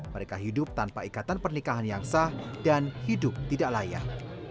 mereka hidup tanpa ikatan pernikahan yang sah dan hidup tidak layak